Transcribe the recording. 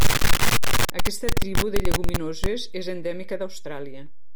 Aquesta tribu de lleguminoses és endèmica d'Austràlia.